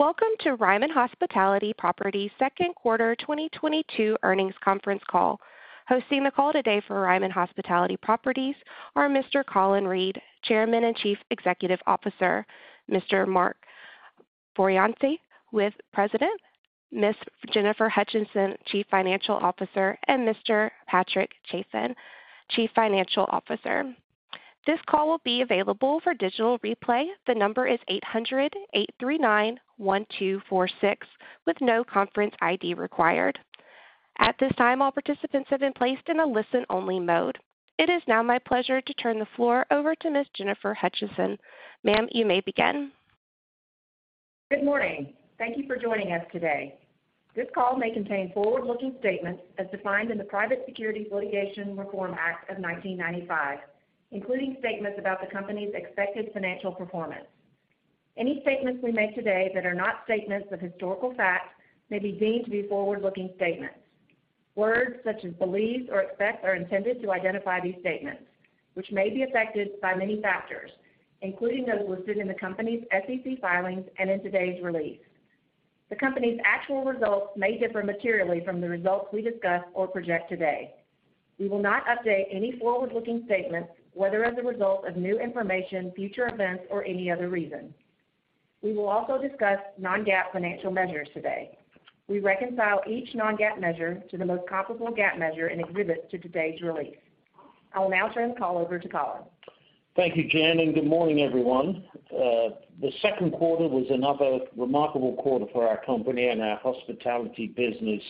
Welcome to Ryman Hospitality Properties Second Quarter 2022 Earnings Conference Call. Hosting the call today for Ryman Hospitality Properties are Mr. Colin Reed, Chairman and Chief Executive Officer, Mr. Mark Fioravanti, President, Ms. Jennifer Hutcheson, Chief Financial Officer, and Mr. Patrick Chaffin, Chief Operating Officer. This call will be available for digital replay. The number is 800-839-1246, with no conference ID required. At this time, all participants have been placed in a listen-only mode. It is now my pleasure to turn the floor over to Ms. Jennifer Hutcheson. Ma'am, you may begin. Good morning. Thank you for joining us today. This call may contain forward-looking statements as defined in the Private Securities Litigation Reform Act of 1995, including statements about the company's expected financial performance. Any statements we make today that are not statements of historical fact may be deemed to be forward-looking statements. Words such as believe or expect are intended to identify these statements, which may be affected by many factors, including those listed in the company's SEC filings and in today's release. The company's actual results may differ materially from the results we discuss or project today. We will not update any forward-looking statements, whether as a result of new information, future events, or any other reason. We will also discuss non-GAAP financial measures today. We reconcile each non-GAAP measure to the most comparable GAAP measure in exhibits to today's release. I will now turn the call over to Colin. Thank you, Jen, and good morning, everyone. The second quarter was another remarkable quarter for our company and our Hospitality business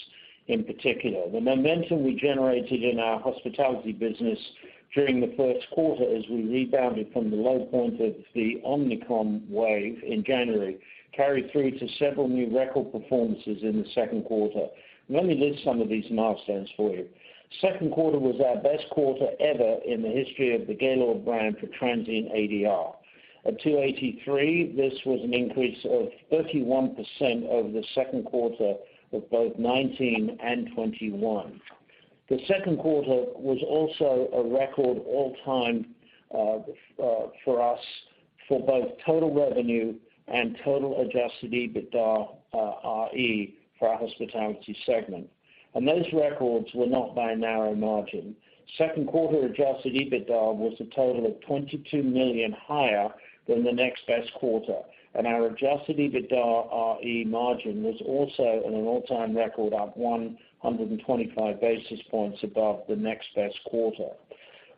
in particular. The momentum we generated in our Hospitality business during the first quarter as we rebounded from the low point of the Omicron wave in January, carried through to several new record performances in the second quarter. Let me list some of these milestones for you. Second quarter was our best quarter ever in the history of the Gaylord brand for transient ADR. At 283, this was an increase of 31% over the second quarter of both 2019 and 2021. The second quarter was also a record all time for us for both total revenue and total adjusted EBITDAre for our Hospitality segment. Those records were not by a narrow margin. Second quarter adjusted EBITDA was a total of $22 million higher than the next best quarter, and our adjusted EBITDAre margin was also at an all-time record, up 125 basis points above the next best quarter.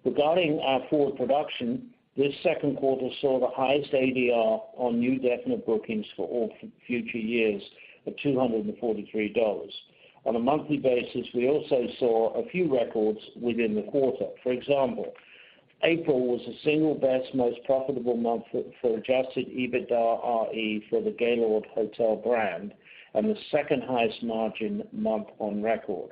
Regarding our forward production, this second quarter saw the highest ADR on new definite bookings for all future years at $243. On a monthly basis, we also saw a few records within the quarter. For example, April was the single best most profitable month for adjusted EBITDAre for the Gaylord Hotel brand and the second highest margin month on record.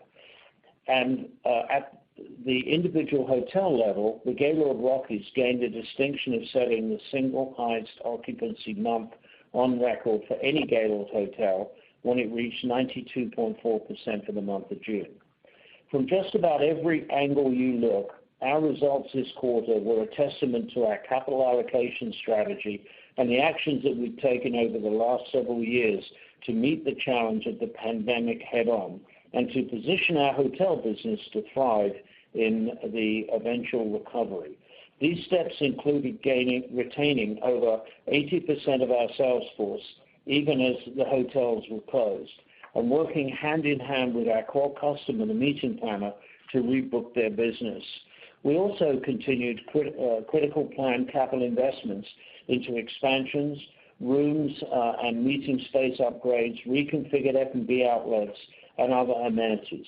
At the individual hotel level, the Gaylord Rockies gained the distinction of setting the single highest occupancy month on record for any Gaylord hotel when it reached 92.4% for the month of June. From just about every angle you look, our results this quarter were a testament to our capital allocation strategy and the actions that we've taken over the last several years to meet the challenge of the pandemic head on, and to position our hotel business to thrive in the eventual recovery. These steps included retaining over 80% of our sales force, even as the hotels were closed, and working hand in hand with our core customer, the meeting planner, to rebook their business. We also continued critical planned capital investments into expansions, rooms, and meeting space upgrades, reconfigured F&B outlets and other amenities.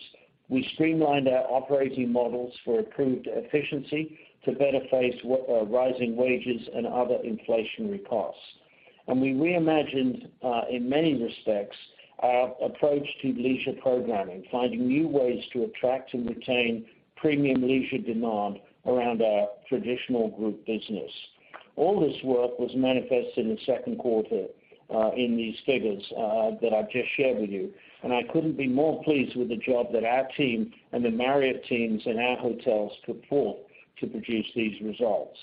We streamlined our operating models for improved efficiency to better face with rising wages and other inflationary costs. We reimagined, in many respects, our approach to leisure programming, finding new ways to attract and retain premium leisure demand around our traditional group business. All this work was manifested in the second quarter, in these figures, that I've just shared with you, and I couldn't be more pleased with the job that our team and the Marriott teams and our hotels put forth to produce these results.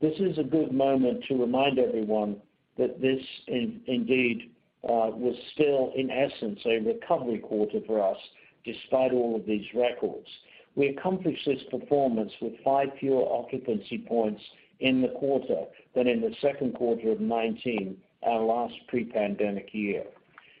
This is a good moment to remind everyone that this indeed was still, in essence, a recovery quarter for us, despite all of these records. We accomplished this performance with five fewer occupancy points in the quarter than in the second quarter of 2019, our last pre-pandemic year.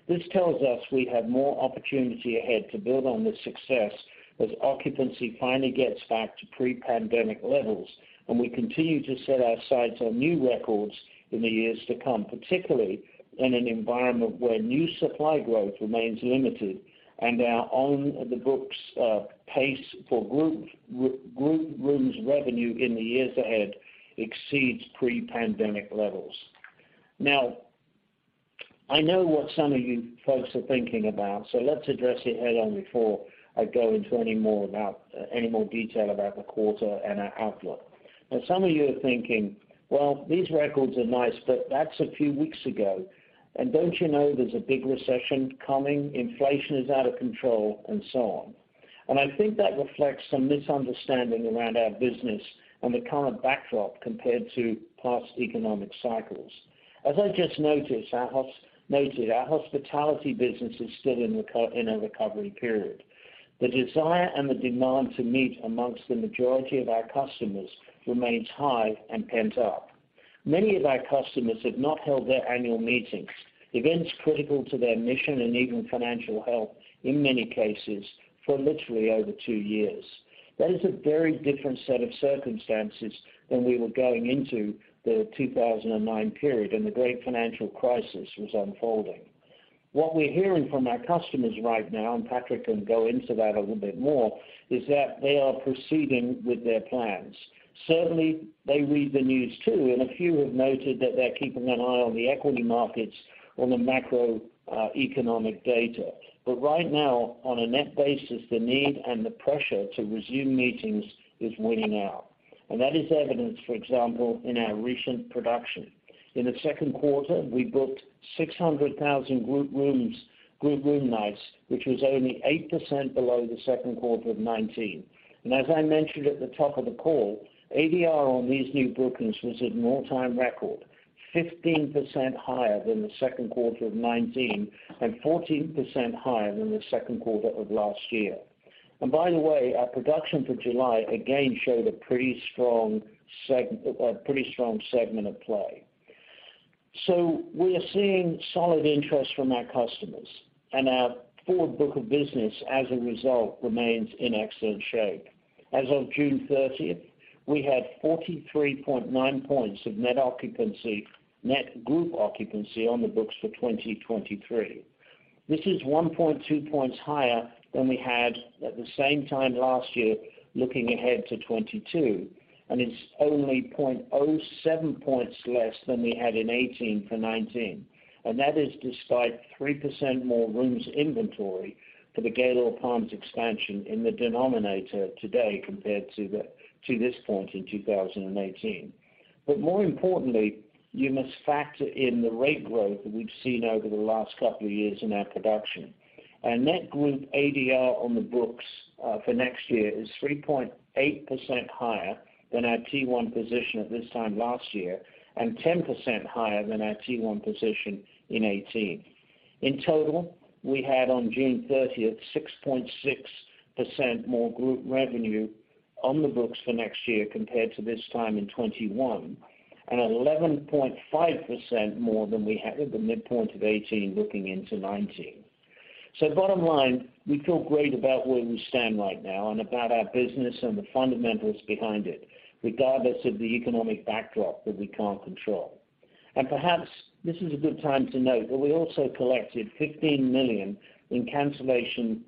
This tells us we have more opportunity ahead to build on this success as occupancy finally gets back to pre-pandemic levels, and we continue to set our sights on new records in the years to come, particularly in an environment where new supply growth remains limited and our own on the books pace for group rooms revenue in the years ahead exceeds pre-pandemic levels. Now, I know what some of you folks are thinking about, so let's address it head on before I go into any more detail about the quarter and our outlook. Now, some of you are thinking, "Well, these records are nice, but that's a few weeks ago. Don't you know there's a big recession coming? Inflation is out of control," and so on. I think that reflects some misunderstanding around our business and the current backdrop compared to past economic cycles. As I just noted, our Hospitality business is still in a recovery period. The desire and the demand to meet among the majority of our customers remains high and pent-up. Many of our customers have not held their annual meetings, events critical to their mission and even financial health in many cases for literally over two years. That is a very different set of circumstances than we were going into the 2009 period, and the great financial crisis was unfolding. What we're hearing from our customers right now, and Patrick can go into that a little bit more, is that they are proceeding with their plans. Certainly, they read the news too, and a few have noted that they're keeping an eye on the equity markets or the macroeconomic data. Right now, on a net basis, the need and the pressure to resume meetings is winning out. That is evidenced, for example, in our recent production. In the second quarter, we booked 600,000 group room nights, which was only 8% below the second quarter of 2019. As I mentioned at the top of the call, ADR on these new bookings was an all-time record, 15% higher than the second quarter of 2019, and 14% higher than the second quarter of last year. By the way, our production for July again showed a pretty strong segment at play. We are seeing solid interest from our customers, and our forward book of business, as a result, remains in excellent shape. As of June 30th, we had 43.9 points of net group occupancy on the books for 2023. This is 1.2 points higher than we had at the same time last year, looking ahead to 2022, and it's only 0.07 points less than we had in 2018 for 2019. That is despite 3% more rooms inventory for the Gaylord Palms expansion in the denominator today compared to this point in 2018. More importantly, you must factor in the rate growth that we've seen over the last couple of years in our production. Our net group ADR on the books for next year is 3.8% higher than our T+1 position at this time last year, and 10% higher than our T+1 position in 2018. In total, we had on June thirtieth, 6.6% more group revenue on the books for next year compared to this time in 2021, and 11.5% more than we had at the midpoint of 2018 looking into 2019. Bottom line, we feel great about where we stand right now and about our business and the fundamentals behind it, regardless of the economic backdrop that we can't control. Perhaps this is a good time to note that we also collected $15 million in cancellation,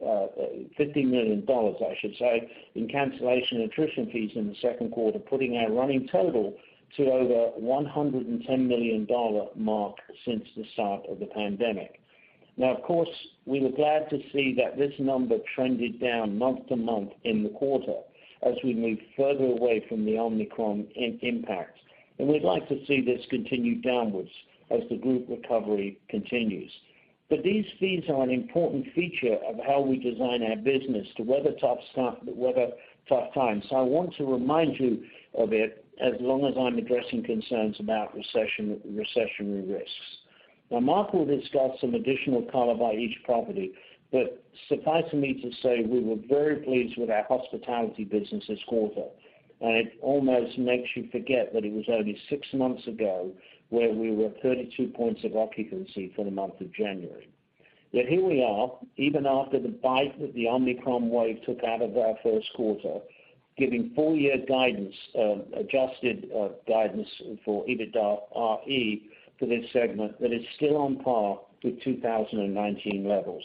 $15 million, I should say, in cancellation attrition fees in the second quarter, putting our running total to over $110 million mark since the start of the pandemic. Now, of course, we were glad to see that this number trended down month-to-month in the quarter as we move further away from the Omicron impact. We'd like to see this continue downwards as the group recovery continues. These fees are an important feature of how we design our business to weather tough times. I want to remind you of it as long as I'm addressing concerns about recession, recessionary risks. Now, Mark will discuss some additional color by each property. Suffice for me to say we were very pleased with our Hospitality business this quarter. It almost makes you forget that it was only six months ago where we were 32% occupancy for the month of January. Yet here we are, even after the bite that the Omicron wave took out of our first quarter, giving full year guidance, adjusted guidance for EBITDAre for this segment that is still on par with 2019 levels,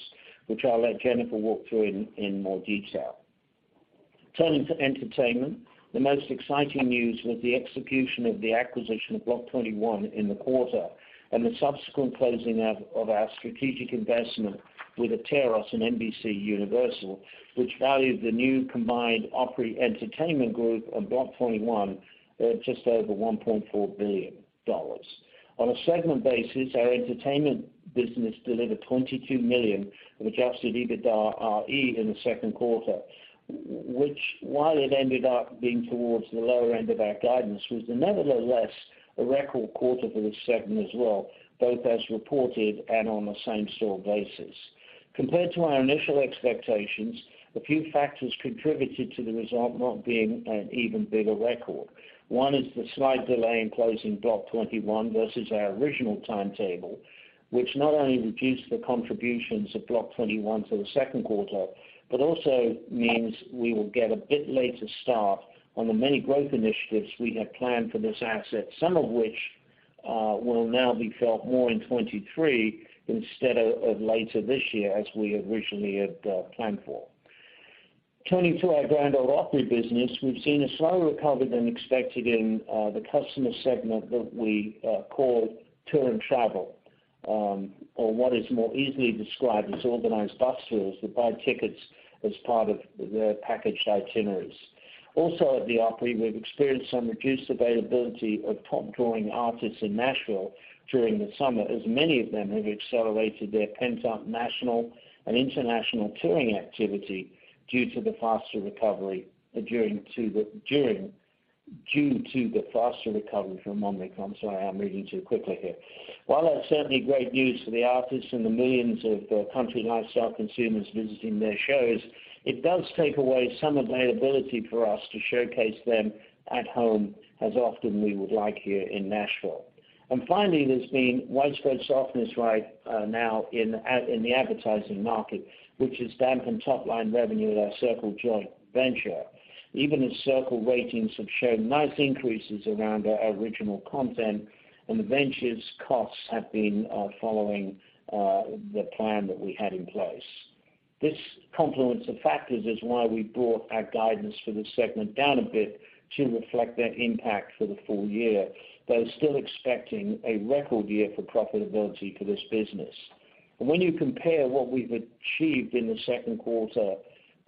which I'll let Jennifer walk through in more detail. Turning to Entertainment, the most exciting news was the execution of the acquisition of Block 21 in the quarter and the subsequent closing of our strategic investment with Atairos and NBCUniversal, which valued the new combined Opry Entertainment Group of Block 21 at just over $1.4 billion. On a segment basis, our Entertainment business delivered $22 million of adjusted EBITDAre in the second quarter, which while it ended up being towards the lower end of our guidance, was nevertheless a record quarter for the segment as well, both as reported and on a same store basis. Compared to our initial expectations, a few factors contributed to the result not being an even bigger record. One is the slight delay in closing Block 21 versus our original timetable, which not only reduced the contributions of Block 21 to the second quarter, but also means we will get a bit later start on the many growth initiatives we have planned for this asset, some of which will now be felt more in 2023 instead of later this year, as we originally had planned for. Turning to our Grand Ole Opry business, we've seen a slower recovery than expected in the customer segment that we call tour and travel, or what is more easily described as organized bus tours that buy tickets as part of their packaged itineraries. Also at the Opry, we've experienced some reduced availability of top drawing artists in Nashville during the summer, as many of them have accelerated their pent-up national and international touring activity due to the faster recovery from Omicron. I'm sorry, I'm reading too quickly here. While that's certainly great news for the artists and the millions of country lifestyle consumers visiting their shows, it does take away some availability for us to showcase them at home as often we would like here in Nashville. Finally, there's been widespread softness right now in the advertising market, which has dampened top-line revenue at our Circle joint venture, even as Circle ratings have shown nice increases around our original content and the venture's costs have been following the plan that we had in place. This confluence of factors is why we brought our guidance for this segment down a bit to reflect that impact for the full year, though still expecting a record year for profitability for this business. When you compare what we've achieved in the second quarter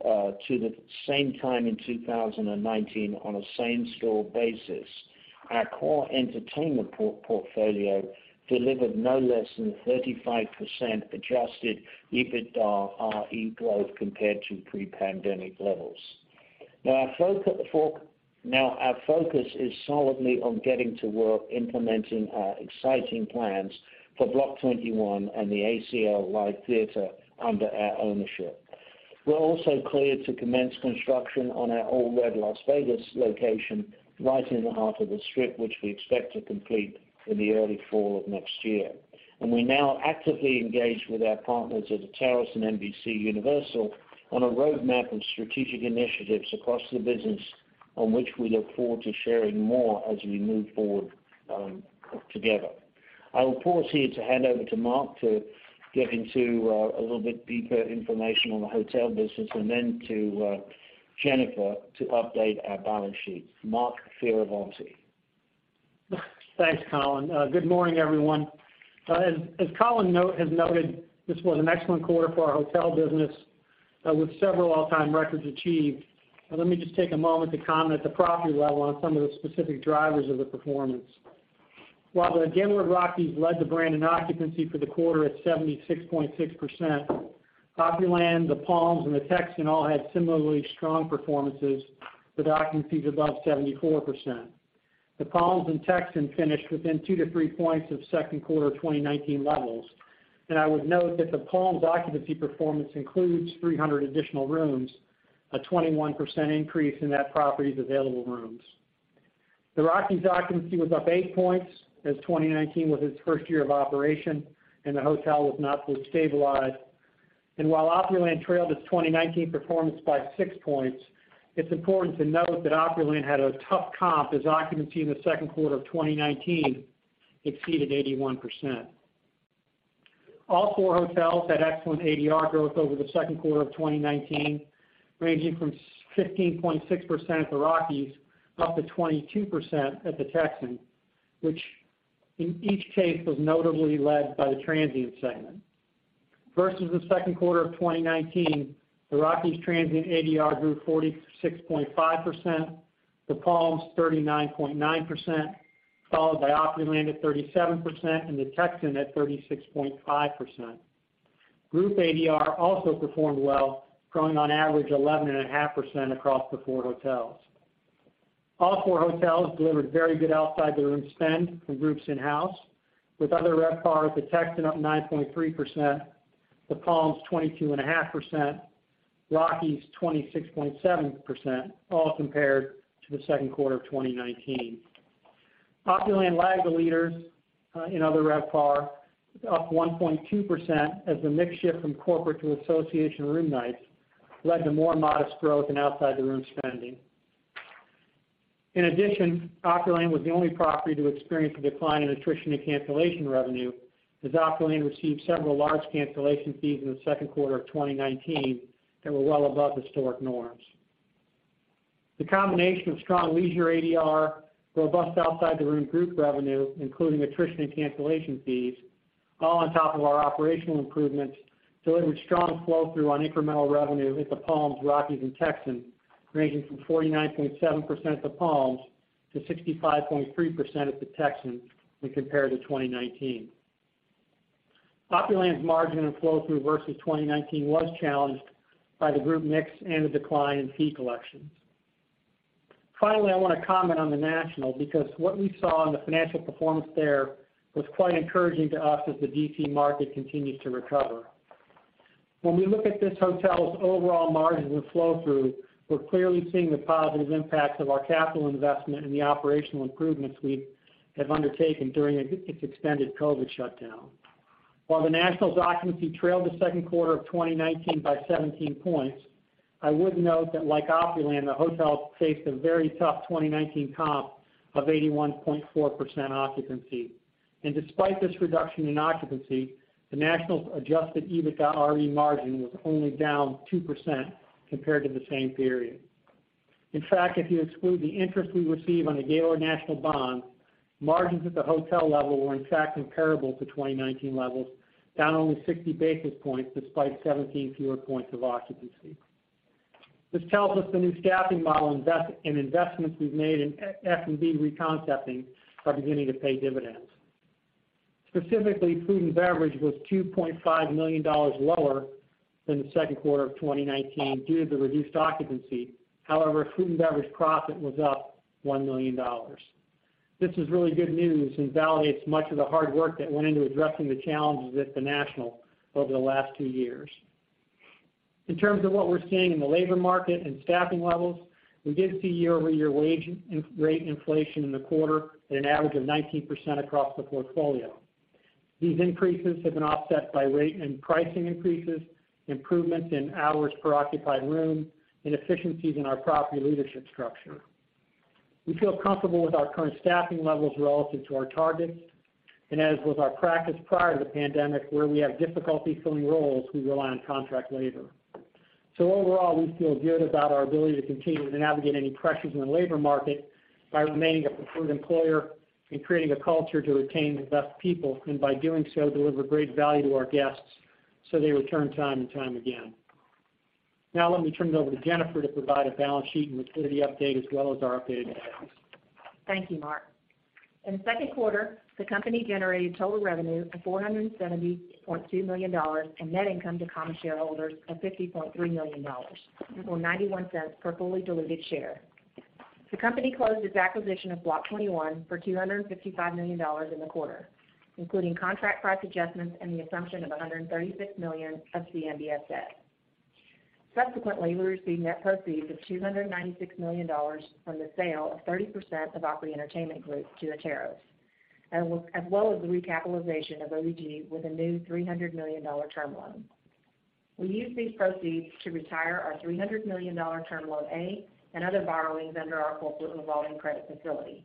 to the same time in 2019 on a same-store basis, our core Entertainment portfolio delivered no less than 35% adjusted EBITDAre growth compared to pre-pandemic levels. Now our focus is solidly on getting to work implementing our exciting plans for Block 21 and the ACL Live Theater under our ownership. We're also clear to commence construction on our Ole Red Las Vegas location right in the heart of the Strip, which we expect to complete in the early fall of next year. We now actively engage with our partners at Atairos and NBCUniversal on a roadmap of strategic initiatives across the business on which we look forward to sharing more as we move forward, together. I will pause here to hand over to Mark to get into a little bit deeper information on the hotel business and then to Jennifer to update our balance sheet. Mark Fioravanti. Thanks, Colin. Good morning, everyone. As Colin has noted, this was an excellent quarter for our hotel business, with several all-time records achieved. Let me just take a moment to comment at the property level on some of the specific drivers of the performance. While the Gaylord Rockies led the brand in occupancy for the quarter at 76.6%, Opryland, The Palms, and The Texan all had similarly strong performances with occupancies above 74%. The Palms and Texan finished within 2-3 points of second quarter of 2019 levels. I would note that The Palms occupancy performance includes 300 additional rooms, a 21% increase in that property's available rooms. The Rockies occupancy was up 8 points as 2019 was its first year of operation and the hotel was not fully stabilized. While Opryland trailed its 2019 performance by 6 points, it's important to note that Opryland had a tough comp as occupancy in the second quarter of 2019 exceeded 81%. All four hotels had excellent ADR growth over the second quarter of 2019, ranging from 16.6% at the Rockies up to 22% at The Texan, which in each case was notably led by the transient segment. Versus the second quarter of 2019, the Rockies transient ADR grew 46.5%, The Palms 39.9%, followed by Opryland at 37% and The Texan at 36.5%. Group ADR also performed well, growing on average 11.5% across the four hotels. All four hotels delivered very good outside-the-room spend for groups in house, with other RevPAR at The Texan up 9.3%, The Palms 22.5%, Rockies 26.7%, all compared to the second quarter of 2019. Opryland lagged the leaders in other RevPAR, up 1.2% as the mix shift from corporate to association room nights led to more modest growth in outside the room spending. In addition, Opryland was the only property to experience a decline in attrition and cancellation revenue, as Opryland received several large cancellation fees in the second quarter of 2019 that were well above historic norms. The combination of strong leisure ADR, robust outside the room group revenue, including attrition and cancellation fees, all on top of our operational improvements, delivered strong flow-through on incremental revenue at The Palms, Rockies, and Texan, ranging from 49.7% at The Palms to 65.3% at The Texan when compared to 2019. Opryland's margin and flow-through versus 2019 was challenged by the group mix and the decline in fee collections. Finally, I wanna comment on The National because what we saw in the financial performance there was quite encouraging to us as the D.C. market continues to recover. When we look at this hotel's overall margin and flow-through, we're clearly seeing the positive impacts of our capital investment and the operational improvements we have undertaken during its extended COVID shutdown. While the National's occupancy trailed the second quarter of 2019 by 17 points, I would note that like Opryland, the hotel faced a very tough 2019 comp of 81.4% occupancy. Despite this reduction in occupancy, the National's adjusted EBITDAre margin was only down 2% compared to the same period. In fact, if you exclude the interest we receive on the Gaylord National bond, margins at the hotel level were in fact comparable to 2019 levels, down only 60 basis points despite 17 fewer points of occupancy. This tells us the new staffing model investment and investments we've made in F&B reconcepting are beginning to pay dividends. Specifically, food and beverage was $2.5 million lower than the second quarter of 2019 due to the reduced occupancy. However, food and beverage profit was up $1 million. This is really good news and validates much of the hard work that went into addressing the challenges at The National over the last two years. In terms of what we're seeing in the labor market and staffing levels, we did see year-over-year wage rate inflation in the quarter at an average of 19% across the portfolio. These increases have been offset by rate and pricing increases, improvements in hours per occupied room, and efficiencies in our property leadership structure. We feel comfortable with our current staffing levels relative to our targets, and as was our practice prior to the pandemic, where we have difficulty filling roles, we rely on contract labor. Overall, we feel good about our ability to continue to navigate any pressures in the labor market by remaining a preferred employer and creating a culture to retain the best people, and by doing so, deliver great value to our guests so they return time and time again. Now let me turn it over to Jennifer to provide a balance sheet and liquidity update as well as our updated guidance. Thank you, Mark. In the second quarter, the company generated total revenue of $470.2 million and net income to common shareholders of $50.3 million, or $0.91 per fully diluted share. The company closed its acquisition of Block 21 for $255 million in the quarter, including contract price adjustments and the assumption of $136 million of CMBS debt. Subsequently, we received net proceeds of $296 million from the sale of 30% of Opry Entertainment Group to Atairos, as well as the recapitalization of OEG with a new $300 million term loan. We used these proceeds to retire our $300 million term loan A and other borrowings under our corporate revolving credit facility.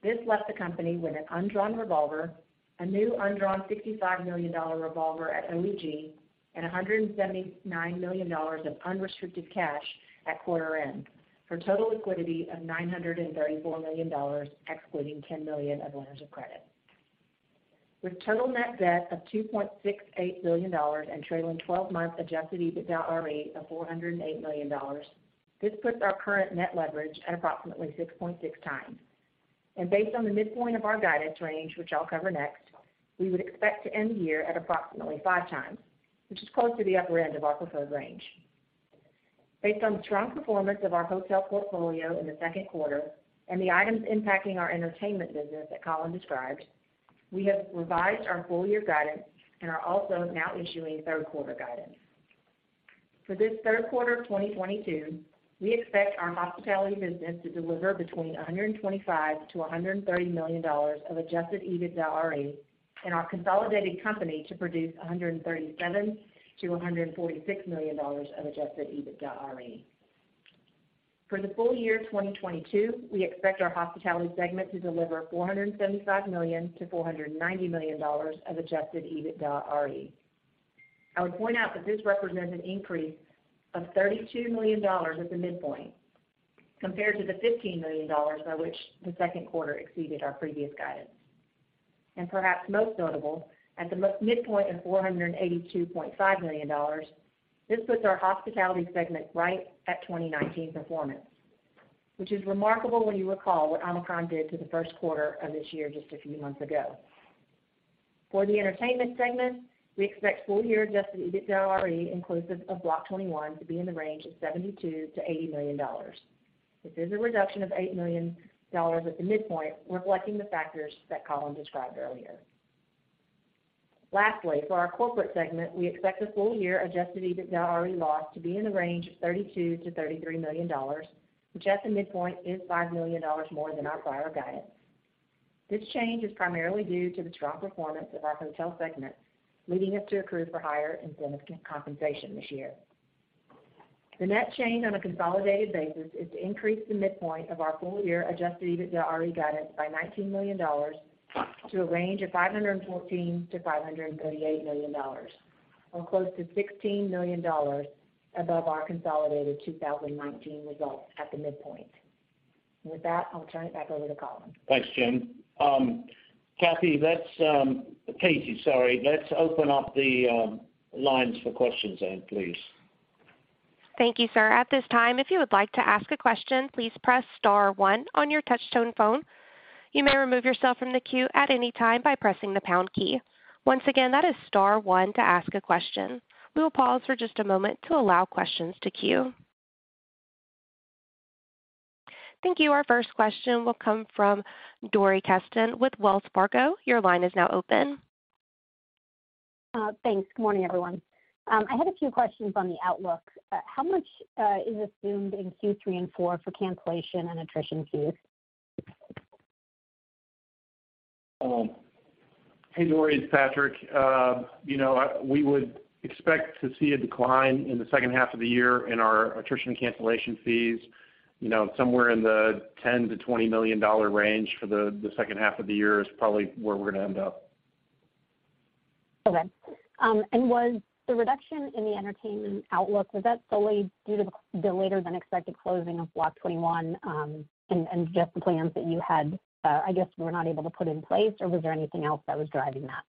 This left the company with an undrawn revolver, a new undrawn $65 million revolver at OEG, and $179 million of unrestricted cash at quarter end, for total liquidity of $934 million, excluding $10 million of letters of credit. With total net debt of $2.68 billion and trailing 12-month adjusted EBITDAre of $408 million, this puts our current net leverage at approximately 6.6x. Based on the midpoint of our guidance range, which I'll cover next, we would expect to end the year at approximately 5x, which is close to the upper end of our preferred range. Based on the strong performance of our hotel portfolio in the second quarter and the items impacting our Entertainment business that Colin described, we have revised our full year guidance and are also now issuing third quarter guidance. For this third quarter of 2022, we expect our Hospitality business to deliver between $125 million-$130 million of adjusted EBITDAre, and our consolidated company to produce $137 million-$146 million of adjusted EBITDAre. For the full year 2022, we expect our Hospitality segment to deliver $475 million-$490 million of adjusted EBITDAre. I would point out that this represents an increase of $32 million at the midpoint compared to the $15 million by which the second quarter exceeded our previous guidance. Perhaps most notable, at the midpoint of $482.5 million, this puts our Hospitality segment right at 2019 performance, which is remarkable when you recall what Omicron did to the first quarter of this year just a few months ago. For the Entertainment segment, we expect full year adjusted EBITDAre inclusive of Block 21 to be in the range of $72 million-$80 million. This is a reduction of $8 million at the midpoint, reflecting the factors that Colin described earlier. Lastly, for our Corporate segment, we expect the full year adjusted EBITDAre loss to be in the range of $32 million-$33 million, which at the midpoint is $5 million more than our prior guidance. This change is primarily due to the strong performance of our hotel segment, leading us to accrue for higher incentive compensation this year. The net change on a consolidated basis is to increase the midpoint of our full year adjusted EBITDAre guidance by $19 million to a range of $514 million-$538 million, or close to $16 million above our consolidated 2019 results at the midpoint. With that, I'll turn it back over to Colin. Thanks, Jen. Katie, sorry. Let's open up the lines for questions then, please. Thank you, sir. At this time, if you would like to ask a question, please press star one on your touchtone phone. You may remove yourself from the queue at any time by pressing the pound key. Once again, that is star one to ask a question. We will pause for just a moment to allow questions to queue. Thank you. Our first question will come from Dori Kesten with Wells Fargo. Your line is now open. Thanks. Good morning, everyone. I had a few questions on the outlook. How much is assumed in Q3 and 4 for cancellation and attrition fees? Hey, Dori. It's Patrick. You know, we would expect to see a decline in the second half of the year in our attrition and cancellation fees. You know, somewhere in the $10 million-$20 million range for the second half of the year is probably where we're gonna end up. Okay. Was the reduction in the Entertainment outlook solely due to the later than expected closing of Block 21, and just the plans that you had, I guess were not able to put in place, or was there anything else that was driving that?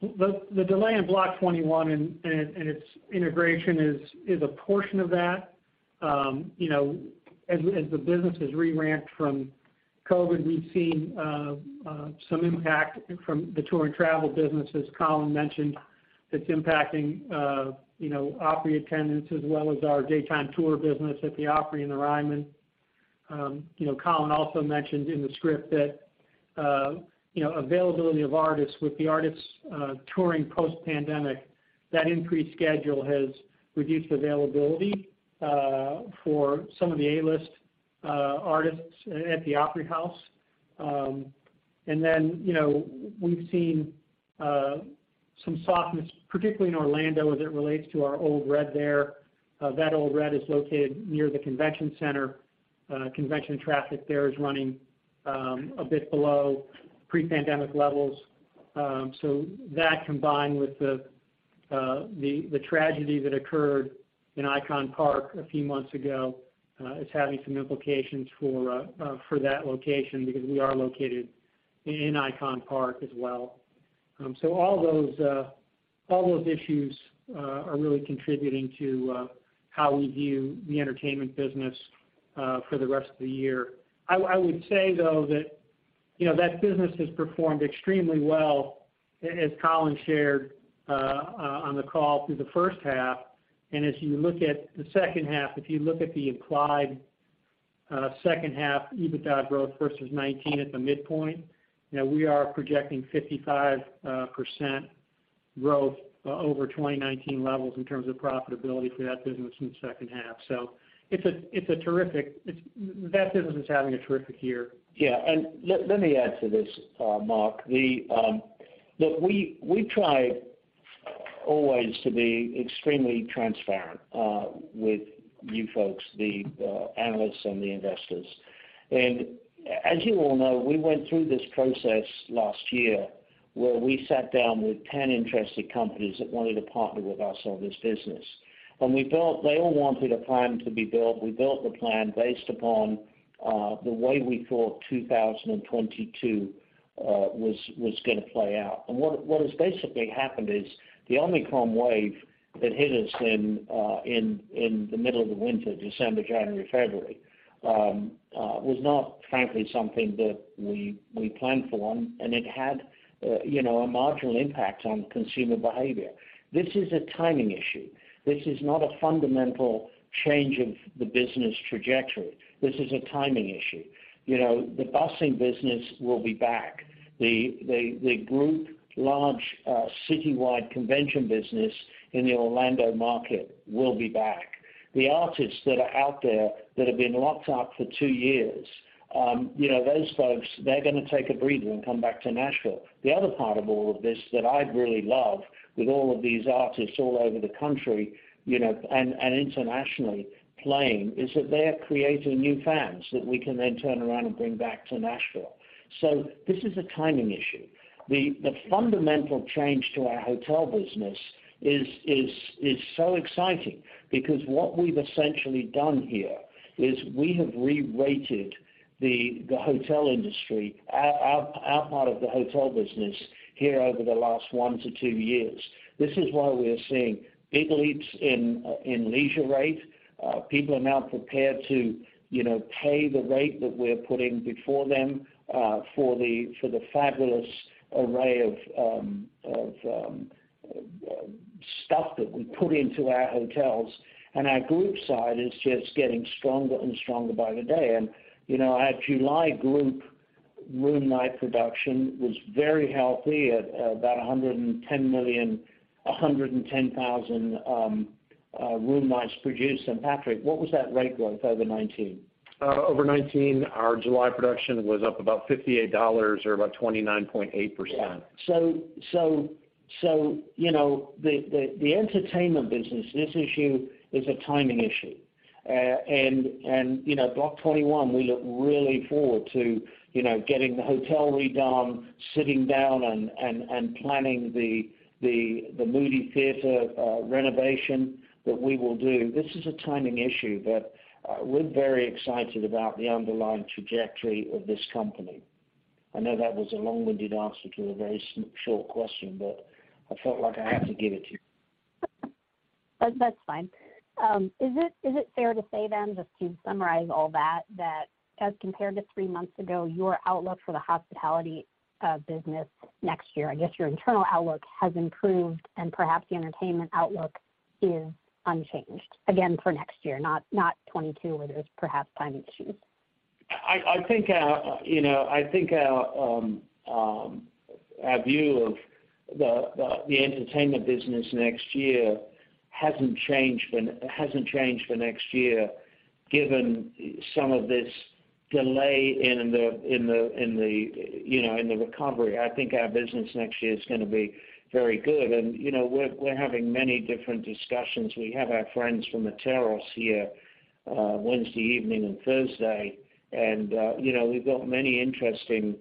The delay in Block 21 and its integration is a portion of that. You know, as the business has reramped from COVID, we've seen some impact from the tour and travel business, as Colin mentioned, that's impacting you know, Opry attendance as well as our daytime tour business at the Opry and the Ryman. You know, Colin also mentioned in the script that you know, availability of artists with the artists touring post-pandemic, that increased schedule has reduced availability for some of the A-list artists at the Opry House. You know, we've seen some softness, particularly in Orlando as it relates to our Ole Red there. That Ole Red is located near the convention center. Convention traffic there is running a bit below pre-pandemic levels. That combined with the tragedy that occurred in ICON Park a few months ago is having some implications for that location because we are located in ICON Park as well. All those issues are really contributing to how we view the Entertainment business for the rest of the year. I would say though that, you know, that business has performed extremely well, as Colin shared on the call through the first half. As you look at the second half, if you look at the implied second half EBITDA growth versus 2019 at the midpoint, you know, we are projecting 55% growth over 2019 levels in terms of profitability for that business in the second half. That business is having a terrific year. Yeah. Let me add to this, Mark. Look, we try always to be extremely transparent with you folks, the analysts and the investors. As you all know, we went through this process last year where we sat down with 10 interested companies that wanted to partner with us on this business. They all wanted a plan to be built. We built the plan based upon the way we thought 2022 was gonna play out. What has basically happened is the Omicron wave that hit us in the middle of the winter, December, January, February, was not frankly something that we planned for, and it had, you know, a marginal impact on consumer behavior. This is a timing issue. This is not a fundamental change of the business trajectory. This is a timing issue. You know, the busing business will be back. The group large citywide convention business in the Orlando market will be back. The artists that are out there that have been locked up for two years, you know, those folks, they're gonna take a breather and come back to Nashville. The other part of all of this that I really love with all of these artists all over the country, you know, and internationally playing, is that they're creating new fans that we can then turn around and bring back to Nashville. This is a timing issue. The fundamental change to our hotel business is so exciting because what we've essentially done here is we have re-rated the hotel industry, our part of the hotel business here over the last one to two years. This is why we're seeing big leaps in leisure rate. People are now prepared to, you know, pay the rate that we're putting before them for the fabulous array of stuff that we put into our hotels. Our group side is just getting stronger and stronger by the day. You know, our July group room night production was very healthy at about 110,000 room nights produced. Patrick, what was that rate growth over 2019? Over 2019, our July production was up about $58 or about 29.8%. Yeah. You know, the Entertainment business, this issue is a timing issue. You know, Block 21, we look really forward to, you know, getting the hotel redone, sitting down and planning the Moody Theater renovation that we will do. This is a timing issue, but we're very excited about the underlying trajectory of this company. I know that was a long-winded answer to a very short question, but I felt like I had to give it to you. That's fine. Is it fair to say then, just to summarize all that as compared to three months ago, your outlook for the Hospitality business next year, I guess your internal outlook has improved and perhaps the Entertainment outlook is unchanged? Again, for next year, not 2022, where there's perhaps timing issues. I think our view of the Entertainment business next year hasn't changed for next year, given some of this delay in the recovery. I think our business next year is gonna be very good. You know, we're having many different discussions. We have our friends from Atairos here, Wednesday evening and Thursday. You know, we've got many interesting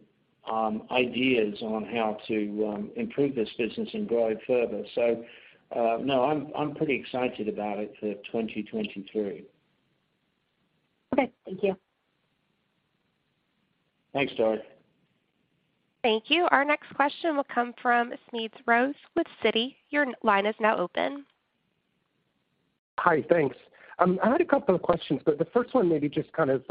ideas on how to improve this business and grow it further. No, I'm pretty excited about it for 2022. Okay. Thank you. Thanks, Dori. Thank you. Our next question will come from Smedes Rose with Citi. Your line is now open. Hi, thanks. I had a couple of questions, but the first one maybe just kind of,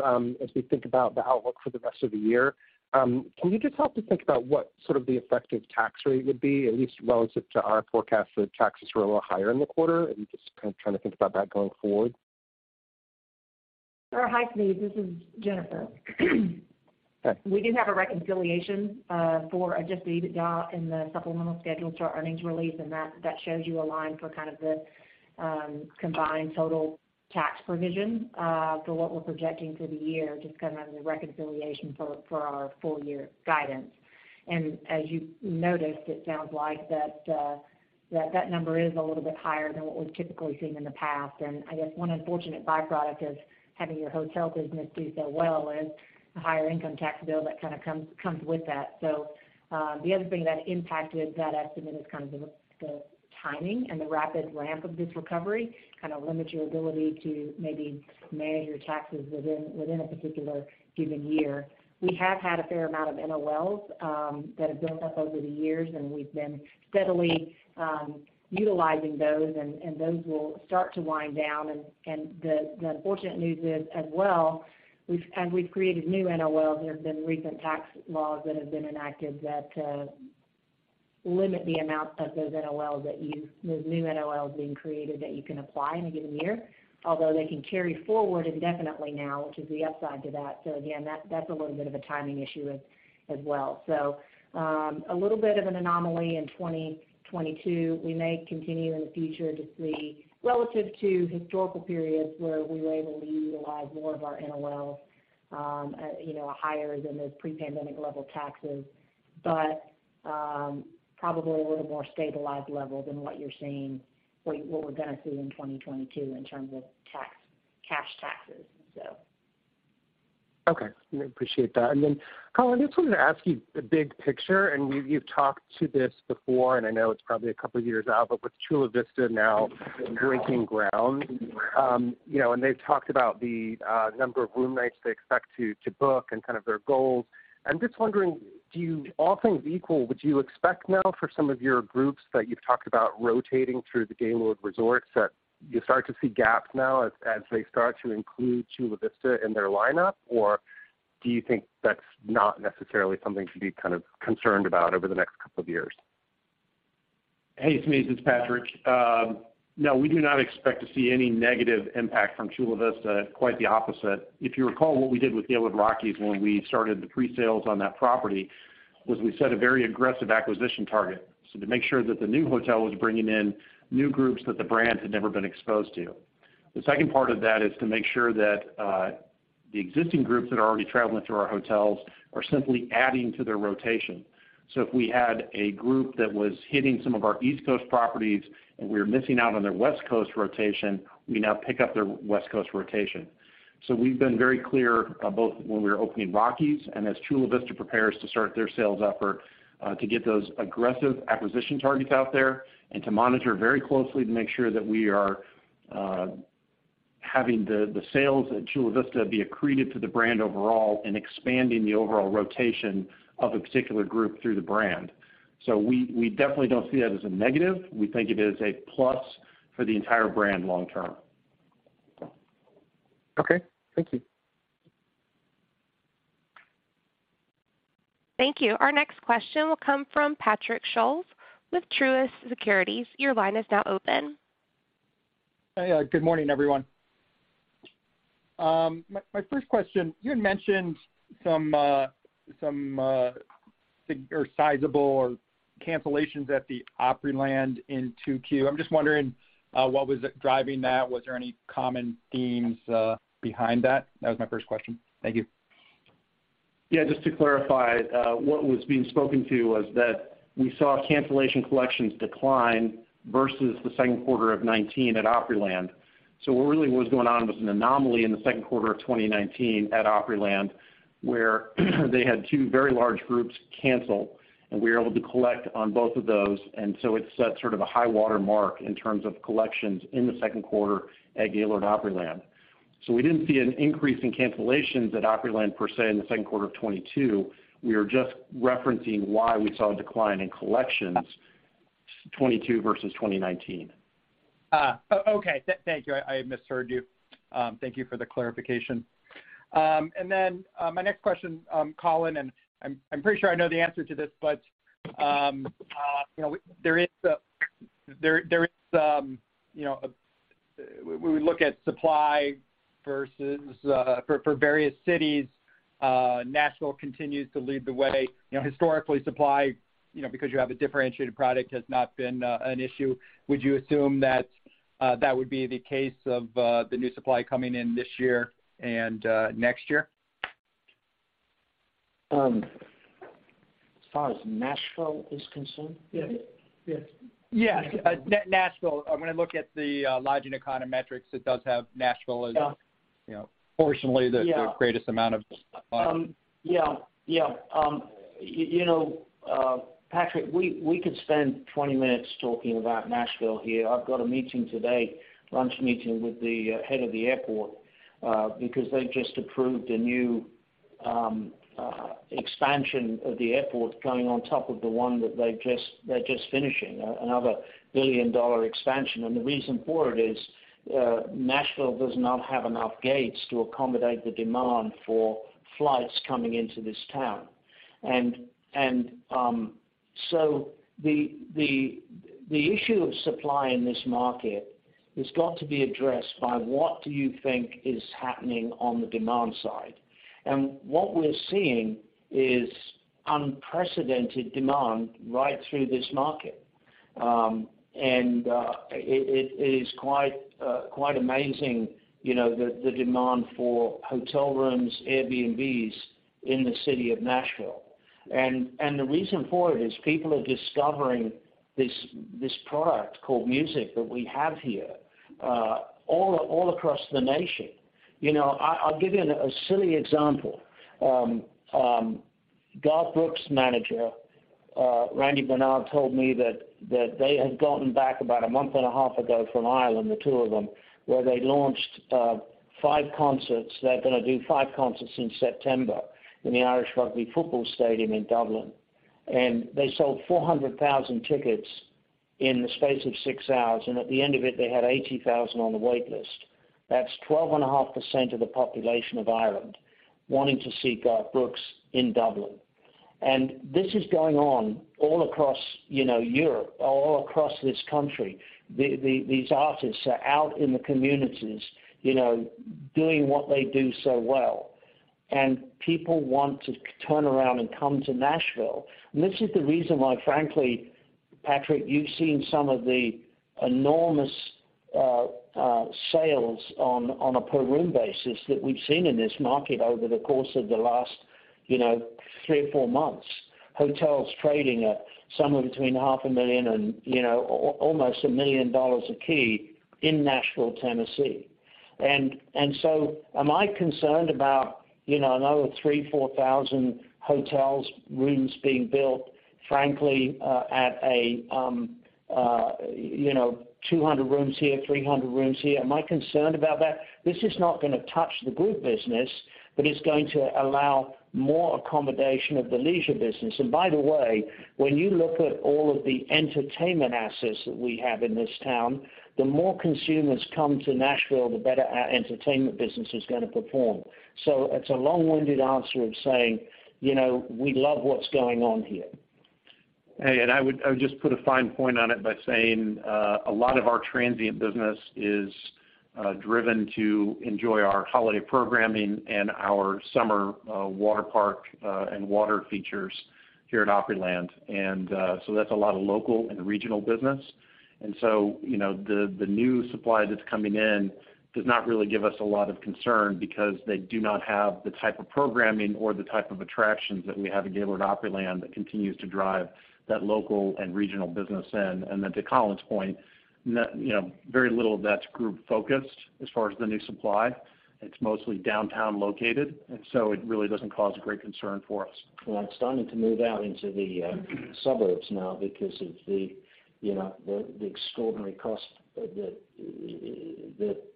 as we think about the outlook for the rest of the year, can you just help to think about what sort of the effective tax rate would be, at least relative to our forecast for the taxes were a little higher in the quarter? Just kind of trying to think about that going forward. Hi, Smedes. This is Jennifer. Okay. We do have a reconciliation for adjusted EBITDA in the supplemental schedule to our earnings release, and that shows you a line for kind of the combined total tax provision for what we're projecting for the year, just kind of as a reconciliation for our full year guidance. As you noticed, it sounds like that number is a little bit higher than what we've typically seen in the past. I guess one unfortunate byproduct of having your hotel business do so well is the higher income tax bill that kind of comes with that. The other thing that impacted that estimate is kind of the timing and the rapid ramp of this recovery kind of limits your ability to maybe manage your taxes within a particular given year. We have had a fair amount of NOLs that have built up over the years, and we've been steadily utilizing those, and those will start to wind down. The unfortunate news is as well, we've created new NOLs. There have been recent tax laws that have been enacted that limit the amount of those new NOLs being created that you can apply in a given year, although they can carry forward indefinitely now, which is the upside to that. Again, that's a little bit of a timing issue as well. A little bit of an anomaly in 2022. We may continue in the future to see relative to historical periods where we were able to utilize more of our NOLs, you know, higher than those pre-pandemic level taxes. probably a little more stabilized level than what we're gonna see in 2022 in terms of tax, cash taxes, so. Okay. I appreciate that. Then, Colin, I just wanted to ask you the big picture, and you've talked to this before, and I know it's probably a couple of years out, but with Chula Vista now breaking ground, you know, and they've talked about the number of room nights they expect to book and kind of their goals. I'm just wondering, do you, all things equal, would you expect now for some of your groups that you've talked about rotating through the Gaylord Resorts that you start to see gaps now as they start to include Chula Vista in their lineup? Or do you think that's not necessarily something to be kind of concerned about over the next couple of years? Hey, Smedes, it's Patrick. No, we do not expect to see any negative impact from Chula Vista. Quite the opposite. If you recall what we did with Gaylord Rockies when we started the presales on that property, was we set a very aggressive acquisition target. To make sure that the new hotel was bringing in new groups that the brand had never been exposed to. The second part of that is to make sure that the existing groups that are already traveling through our hotels are simply adding to their rotation. If we had a group that was hitting some of our East Coast properties, and we were missing out on their West Coast rotation, we now pick up their West Coast rotation. We've been very clear, both when we were opening Rockies and as Chula Vista prepares to start their sales effort, to get those aggressive acquisition targets out there and to monitor very closely to make sure that we are having the sales at Chula Vista be accreted to the brand overall and expanding the overall rotation of a particular group through the brand. We definitely don't see that as a negative. We think it is a plus for the entire brand long term. Okay. Thank you. Thank you. Our next question will come from Patrick Scholes with Truist Securities. Your line is now open. Hey. Good morning, everyone. My first question, you had mentioned some sizable cancellations at the Opryland in 2Q. I'm just wondering what was driving that. Was there any common themes behind that? That was my first question. Thank you. Yeah, just to clarify, what was being spoken to was that we saw cancellation collections decline versus the second quarter of 2019 at Opryland. What really was going on was an anomaly in the second quarter of 2019 at Opryland, where they had two very large groups cancel, and we were able to collect on both of those. It set sort of a high water mark in terms of collections in the second quarter at Gaylord Opryland. We didn't see an increase in cancellations at Opryland per se in the second quarter of 2022. We are just referencing why we saw a decline in collections 2022 versus 2019. Okay. Thank you. I misheard you. Thank you for the clarification. And then my next question, Colin, and I'm pretty sure I know the answer to this, but you know, when we look at supply versus for various cities, Nashville continues to lead the way. You know, historically, supply you know because you have a differentiated product, has not been an issue. Would you assume that that would be the case for the new supply coming in this year and next year? As far as Nashville is concerned? Yes. Yes. Yeah. Nashville. When I look at the Lodging Econometrics, it does have Nashville as- Yeah you know, fortunately Yeah the greatest amount of supply. You know, Patrick, we could spend 20 minutes talking about Nashville here. I've got a meeting today, lunch meeting with the head of the airport because they've just approved a new expansion of the airport going on top of the one that they're finishing, another $1 billion expansion. The reason for it is Nashville does not have enough gates to accommodate the demand for flights coming into this town. The issue of supply in this market has got to be addressed by what do you think is happening on the demand side. What we're seeing is unprecedented demand right through this market. It is quite amazing, you know, the demand for hotel rooms, Airbnbs in the city of Nashville. The reason for it is people are discovering this product called music that we have here all across the nation. You know, I'll give you a silly example. Garth Brooks' manager, Randy Bernard, told me that they had gotten back about a month and a half ago from Ireland, the two of them, where they launched five concerts. They're gonna do five concerts in September in the Irish Rugby football stadium in Dublin. They sold 400,000 tickets in the space of six hours. At the end of it, they had 80,000 on the wait list. That's 12.5% of the population of Ireland wanting to see Garth Brooks in Dublin. This is going on all across, you know, Europe, all across this country. These artists are out in the communities, you know, doing what they do so well, and people want to turn around and come to Nashville. This is the reason why, frankly, Patrick, you've seen some of the enormous sales on a per room basis that we've seen in this market over the course of the last, you know, three or four months. Hotels trading at somewhere between half a million and almost a million dollars a key in Nashville, Tennessee. Am I concerned about, you know, another three or four thousand hotel rooms being built, frankly, at a, you know, 200 rooms here, 300 rooms here? Am I concerned about that? This is not gonna touch the group business, but it's going to allow more accommodation of the leisure business. By the way, when you look at all of the Entertainment assets that we have in this town, the more consumers come to Nashville, the better our Entertainment business is gonna perform. It's a long-winded answer of saying, you know, we love what's going on here. Hey, I would just put a fine point on it by saying a lot of our transient business is driven to enjoy our holiday programming and our summer water park and water features here at Opryland. That's a lot of local and regional business. You know, the new supply that's coming in does not really give us a lot of concern because they do not have the type of programming or the type of attractions that we have at Gaylord Opryland that continues to drive that local and regional business in. To Colin's point, you know, very little of that's group focused as far as the new supply. It's mostly downtown located, and so it really doesn't cause a great concern for us. Well, it's starting to move out into the suburbs now because of the, you know, the extraordinary cost that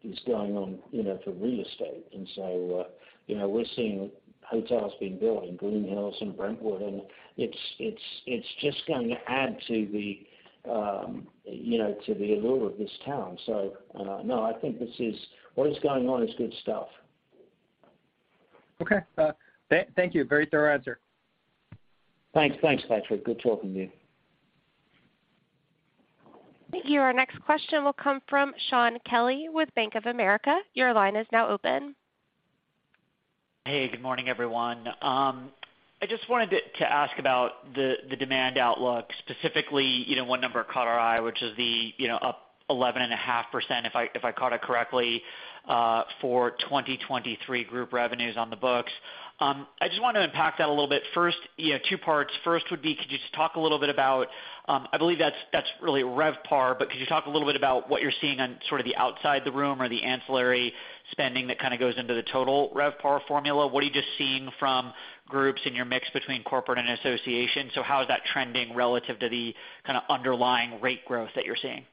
is going on, you know, for real estate. You know, we're seeing hotels being built in Green Hills and Brentwood, and it's just going to add to the, you know, to the allure of this town. No, I think what is going on is good stuff. Okay. Thank you. Very thorough answer. Thanks. Thanks, Patrick. Good talking to you. Thank you. Our next question will come from Shaun Kelley with Bank of America. Your line is now open. Hey, good morning, everyone. I just wanted to ask about the demand outlook, specifically, you know, one number caught our eye, which is the, you know, up 11.5%, if I caught it correctly, for 2023 group revenues on the books. I just wanted to unpack that a little bit. First, you know, two parts. First would be, could you just talk a little bit about, I believe that's really RevPAR, but could you talk a little bit about what you're seeing on sort of the outside the room or the ancillary spending that kind of goes into the total RevPAR formula? What are you just seeing from groups in your mix between corporate and association? So how is that trending relative to the kind of underlying rate growth that you're seeing?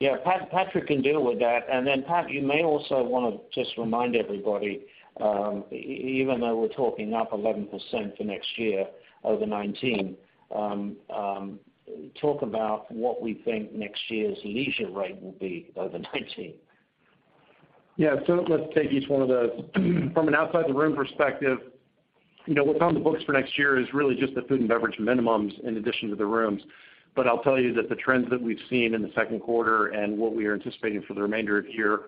Yeah. Patrick can deal with that. Then, Patrick, you may also wanna just remind everybody, even though we're talking up 11% for next year over 2019, talk about what we think next year's leisure rate will be over 2019. Yeah. Let's take each one of those. From an outside the room perspective, you know, what's on the books for next year is really just the food and beverage minimums in addition to the rooms. I'll tell you that the trends that we've seen in the second quarter and what we are anticipating for the remainder of the year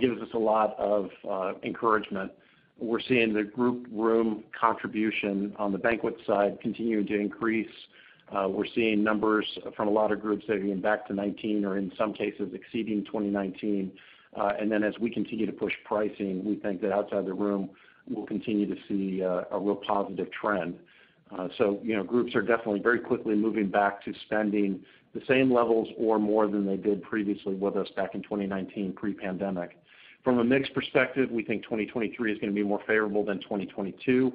gives us a lot of encouragement. We're seeing the group room contribution on the banquet side continuing to increase. We're seeing numbers from a lot of groups that are getting back to 2019 or in some cases exceeding 2019. And then as we continue to push pricing, we think that outside the room we'll continue to see a real positive trend. You know, groups are definitely very quickly moving back to spending the same levels or more than they did previously with us back in 2019 pre-pandemic. From a mix perspective, we think 2023 is gonna be more favorable than 2022.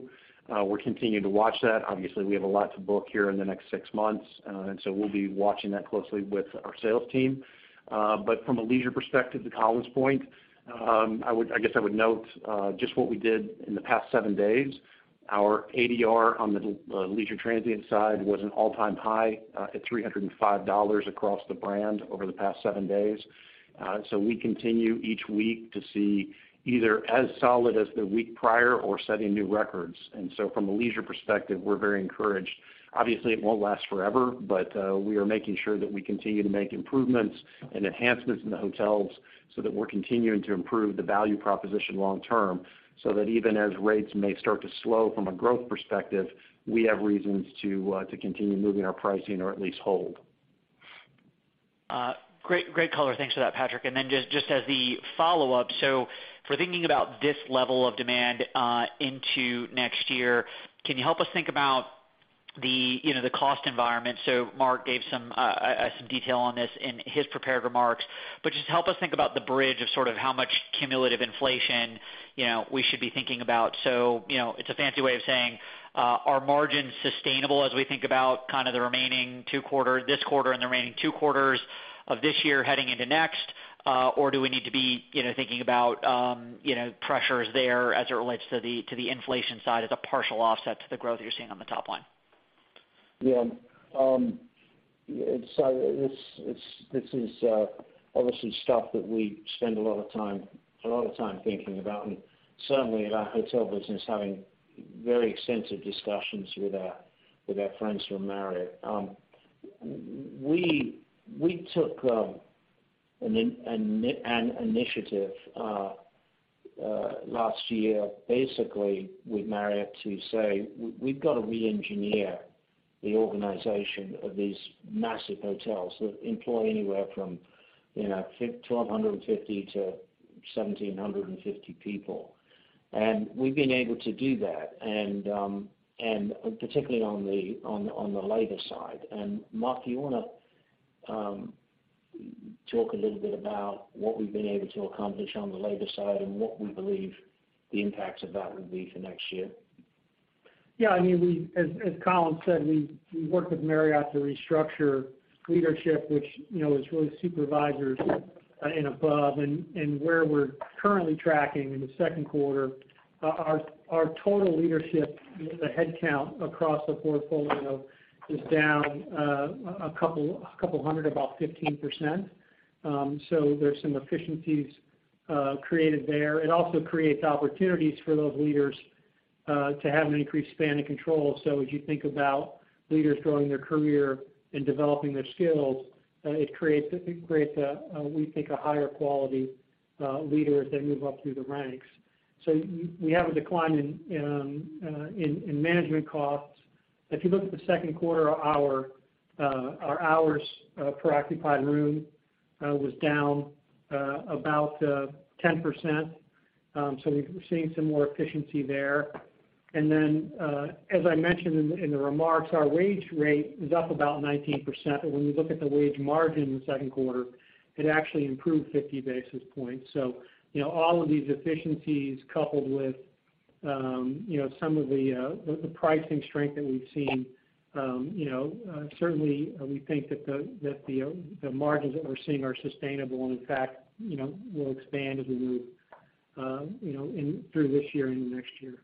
We're continuing to watch that. Obviously, we have a lot to book here in the next six months, and we'll be watching that closely with our sales team. From a leisure perspective, to Colin's point, I guess I would note just what we did in the past seven days. Our ADR on the leisure transient side was an all-time high at $305 across the brand over the past seven days. We continue each week to see either as solid as the week prior or setting new records. From a leisure perspective, we're very encouraged. Obviously, it won't last forever, but we are making sure that we continue to make improvements and enhancements in the hotels so that we're continuing to improve the value proposition long term, so that even as rates may start to slow from a growth perspective, we have reasons to continue moving our pricing or at least hold. Great color. Thanks for that, Patrick. Just as the follow-up, if we're thinking about this level of demand into next year, can you help us think about the, you know, the cost environment? Mark gave some detail on this in his prepared remarks, but just help us think about the bridge of sort of how much cumulative inflation, you know, we should be thinking about. You know, it's a fancy way of saying, are margins sustainable as we think about kind of this quarter and the remaining two quarters of this year heading into next, or do we need to be, you know, thinking about, you know, pressures there as it relates to the inflation side as a partial offset to the growth you're seeing on the top line? Yeah. So this is obviously stuff that we spend a lot of time thinking about. Certainly at our hotel business, having very extensive discussions with our friends from Marriott. We took an initiative last year, basically with Marriott to say we've got to reengineer the organization of these massive hotels that employ anywhere from, you know, 1,250-1,750 people. We've been able to do that. Particularly on the labor side. Mark, you wanna talk a little bit about what we've been able to accomplish on the labor side and what we believe the impacts of that would be for next year? Yeah. I mean, as Colin said, we worked with Marriott to restructure leadership, which, you know, is really supervisors and above. Where we're currently tracking in the second quarter, our total leadership, the headcount across the portfolio is down a couple hundred, about 15%. So there's some efficiencies created there. It also creates opportunities for those leaders to have an increased span of control. As you think about leaders growing their career and developing their skills, it creates, we think, a higher quality leader as they move up through the ranks. We have a decline in management costs. If you look at the second quarter, our hours per occupied room was down about 10%. We're seeing some more efficiency there. As I mentioned in the remarks, our wage rate is up about 19%. When we look at the wage margin in the second quarter, it actually improved 50 basis points. You know, all of these efficiencies coupled with some of the pricing strength that we've seen, you know, certainly we think that the margins that we're seeing are sustainable and in fact, you know, will expand as we move through this year and into next year.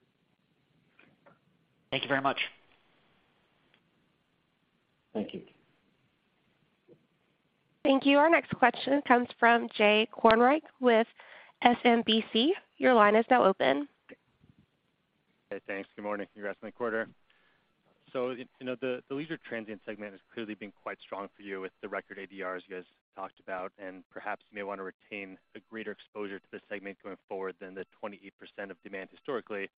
Thank you very much. Thank you. Thank you. Our next question comes from Jay Kornreich with SMBC. Your line is now open. Hey, thanks. Good morning. Congrats on the quarter. You know, the leisure transient segment has clearly been quite strong for you with the record ADRs you guys talked about, and perhaps you may wanna retain a greater exposure to the segment going forward than the 28% of demand historically.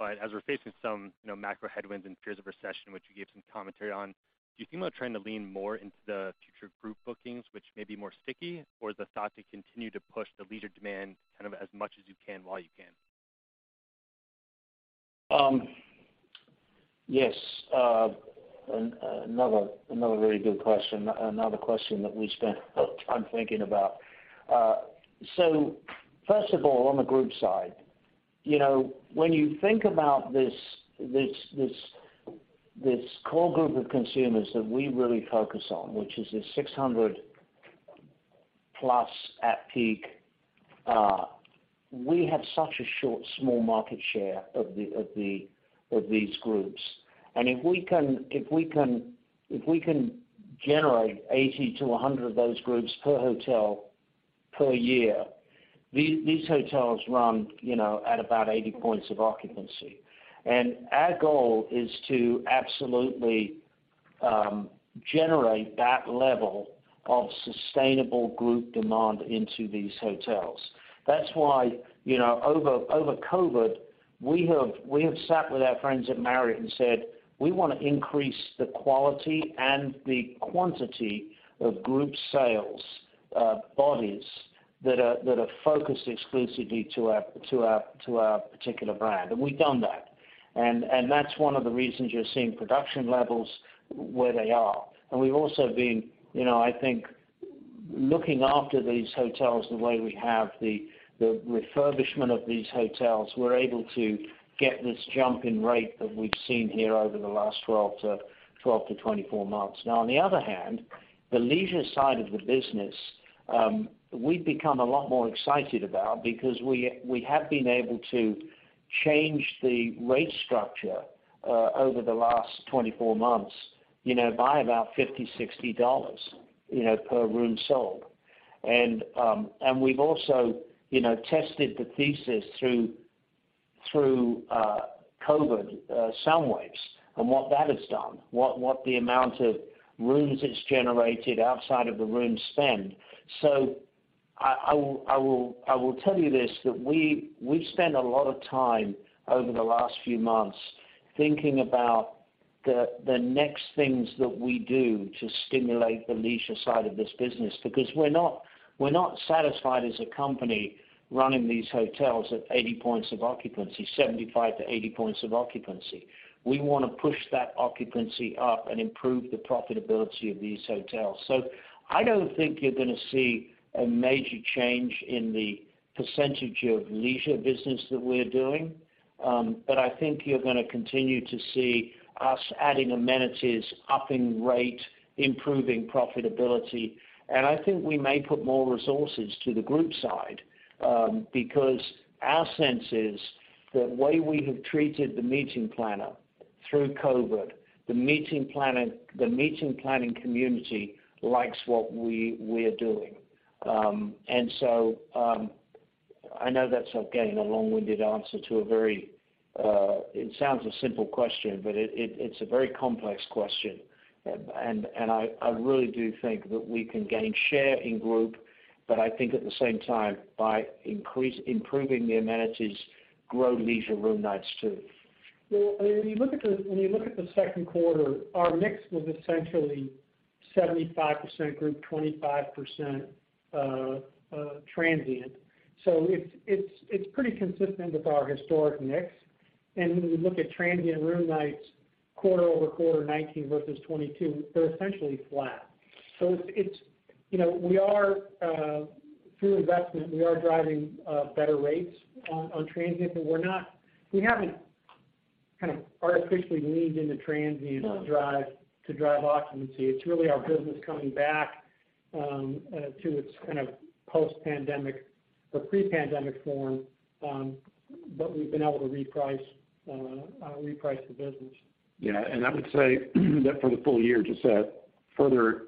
As we're facing some, you know, macro headwinds and fears of recession, which you gave some commentary on, do you think about trying to lean more into the future group bookings, which may be more sticky? Or is the thought to continue to push the leisure demand kind of as much as you can while you can? Yes. Another very good question. Another question that we spent a lot of time thinking about. First of all, on the group side, you know, when you think about this core group of consumers that we really focus on, which is the 600+ at peak, we have such a small market share of the these groups. If we can generate 80-100 of those groups per hotel per year, these hotels run, you know, at about 80% occupancy. Our goal is to absolutely generate that level of sustainable group demand into these hotels. That's why, you know, over COVID, we have sat with our friends at Marriott and said, "We wanna increase the quality and the quantity of group sales, bodies that are focused exclusively to our particular brand." We've done that. That's one of the reasons you're seeing production levels where they are. We've also been, you know, I think, looking after these hotels the way we have, the refurbishment of these hotels, we're able to get this jump in rate that we've seen here over the last 12 to 24 months. Now, on the other hand, the leisure side of the business, we've become a lot more excited about because we have been able to change the rate structure over the last 24 months, you know, by about $50-$60, you know, per room sold. We've also, you know, tested the thesis through COVID, SoundWaves and what that has done, what the amount of rooms it's generated outside of the room spend. I will tell you this, that we have spent a lot of time over the last few months thinking about the next things that we do to stimulate the leisure side of this business because we're not satisfied as a company running these hotels at 80% occupancy, 75%-80% occupancy. We wanna push that occupancy up and improve the profitability of these hotels. I don't think you're gonna see a major change in the percentage of leisure business that we're doing. I think you're gonna continue to see us adding amenities, upping rate, improving profitability. I think we may put more resources to the group side, because our sense is the way we have treated the meeting planner through COVID, the meeting planning community likes what we're doing. I know that's again, a long-winded answer to a very simple question, but it's a very complex question. I really do think that we can gain share in group, but I think at the same time, by improving the amenities, grow leisure room nights too. Well, I mean, when you look at the second quarter, our mix was essentially 75% group, 25% transient. It's pretty consistent with our historic mix. When we look at transient room nights quarter-over-quarter 2019 versus 2022, they're essentially flat. You know, we are through investment driving better rates on transient, but we haven't kind of artificially leaned into transient to drive occupancy. It's really our business coming back to its kind of post-pandemic or pre-pandemic form. We've been able to reprice the business. Yeah. I would say that for the full year, just to further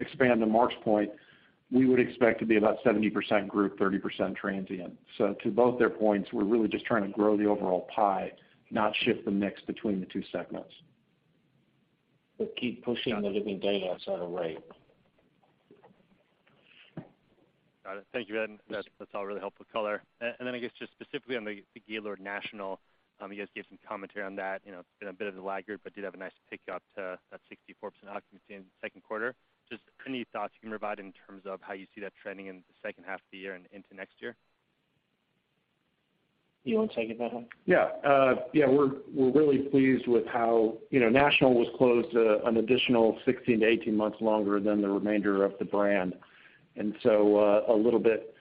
expand on Mark's point, we would expect to be about 70% group, 30% transient. To both their points, we're really just trying to grow the overall pie, not shift the mix between the two segments. Keep pushing the living daylights out of rate. Got it. Thank you. That's all really helpful color. I guess just specifically on the Gaylord National, you guys gave some commentary on that. You know, it's been a bit of a lagger, but did have a nice pick up to that 64% occupancy in the second quarter. Just any thoughts you can provide in terms of how you see that trending in the second half of the year and into next year? You want to take that one? We're really pleased with how you know, National was closed an additional 16-18 months longer than the remainder of the brand. A little bit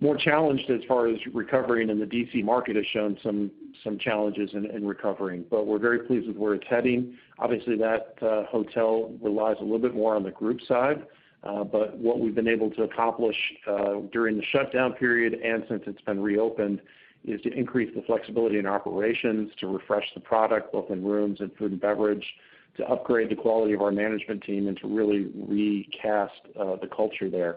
more challenged as far as recovering, and the D.C. market has shown some challenges in recovering. We're very pleased with where it's heading. Obviously, that hotel relies a little bit more on the group side. What we've been able to accomplish during the shutdown period and since it's been reopened is to increase the flexibility in operations, to refresh the product, both in rooms and food and beverage, to upgrade the quality of our management team, and to really recast the culture there.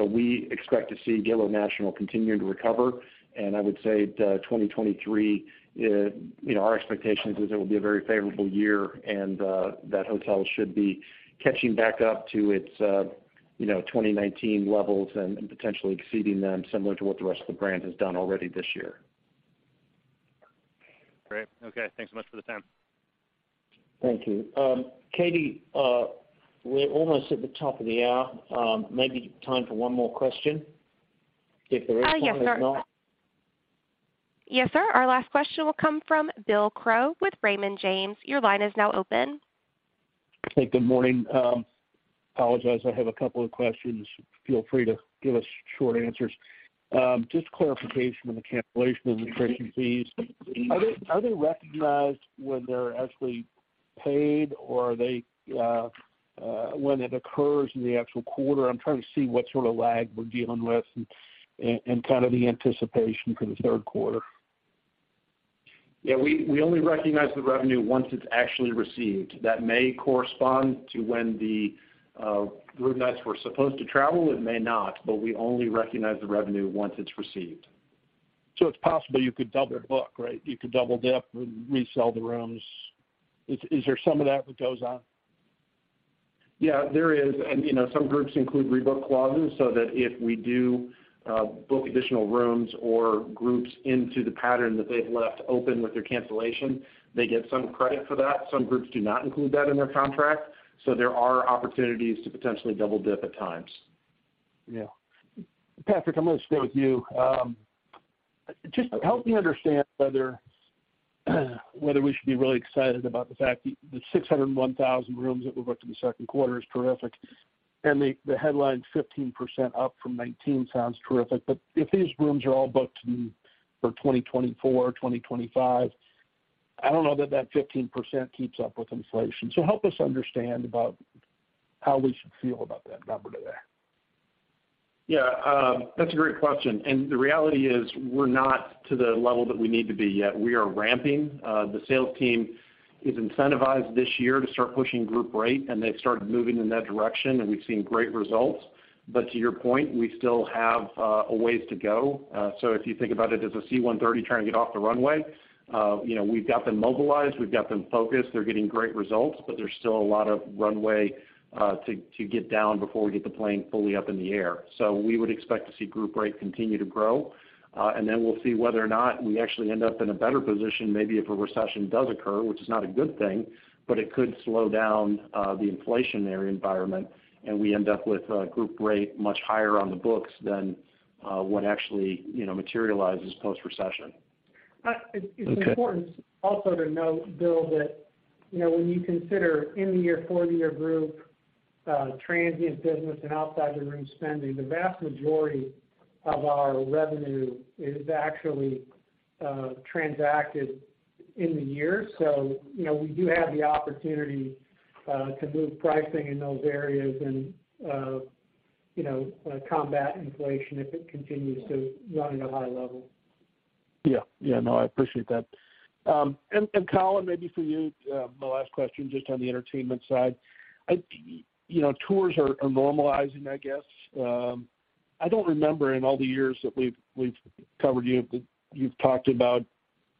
We expect to see Gaylord National continuing to recover. I would say, 2023, you know, our expectations is it will be a very favorable year, and that hotel should be catching back up to its, you know, 2019 levels and potentially exceeding them similar to what the rest of the brand has done already this year. Great. Okay. Thanks so much for the time. Thank you. Katie, we're almost at the top of the hour. Maybe time for one more question, if there is one. If not. Yes, sir. Yes, sir. Our last question will come from Bill Crow with Raymond James. Your line is now open. Hey, good morning. Apologize, I have a couple of questions. Feel free to give us short answers. Just clarification on the cancellation of the cancellation fees. Are they recognized when they're actually paid, or are they when it occurs in the actual quarter? I'm trying to see what sort of lag we're dealing with and kind of the anticipation for the third quarter. Yeah. We only recognize the revenue once it's actually received. That may correspond to when the room nights were supposed to travel. It may not. We only recognize the revenue once it's received. It's possible you could double book, right? You could double dip and resell the rooms. Is there some of that goes on? Yeah, there is. You know, some groups include rebook clauses so that if we do, book additional rooms or groups into the pattern that they've left open with their cancellation, they get some credit for that. Some groups do not include that in their contract, so there are opportunities to potentially double dip at times. Yeah. Patrick, I'm gonna stay with you. Just help me understand whether we should be really excited about the fact the 601,000 rooms that were booked in the second quarter is terrific, and the headline 15% up from 19 sounds terrific. If these rooms are all booked in for 2024, 2025, I don't know that 15% keeps up with inflation. Help us understand about how we should feel about that number today. Yeah. That's a great question. The reality is we're not to the level that we need to be yet. We are ramping. The sales team is incentivized this year to start pushing group rate, and they've started moving in that direction, and we've seen great results. But to your point, we still have a ways to go. So if you think about it as a C-130 trying to get off the runway, you know, we've got them mobilized, we've got them focused, they're getting great results, but there's still a lot of runway to get down before we get the plane fully up in the air. We would expect to see group rate continue to grow, and then we'll see whether or not we actually end up in a better position maybe if a recession does occur, which is not a good thing, but it could slow down the inflationary environment, and we end up with group rate much higher on the books than what actually, you know, materializes post-recession. Okay. It's important also to note, Bill, that you know, when you consider in the year, four-year group, transient business and outside the room spending, the vast majority of our revenue is actually transacted in the year. You know, we do have the opportunity to move pricing in those areas and you know, combat inflation if it continues to run at a high level. Yeah. Yeah, no, I appreciate that. Colin, maybe for you, my last question, just on the Entertainment side. You know, tours are normalizing, I guess. I don't remember in all the years that we've covered you that you've talked about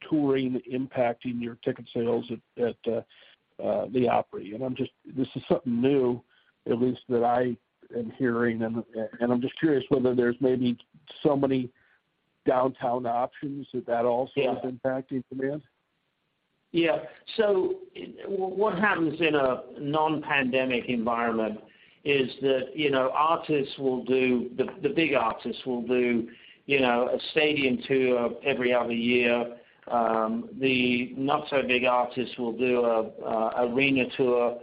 touring impacting your ticket sales at the Opry. I'm just, this is something new, at least that I am hearing, and I'm just curious whether there's maybe so many downtown options that also. Yeah is impacting demand. Yeah. What happens in a non-pandemic environment is that, you know, the big artists will do, you know, a stadium tour every other year. The not so big artists will do an arena tour